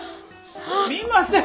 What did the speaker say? すみません